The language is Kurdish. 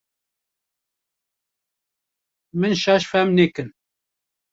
Min şaş fehm nekin